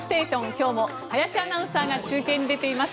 今日も林アナウンサーが中継に出ています。